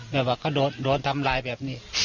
เขาโดนทำร้ายแบบนี้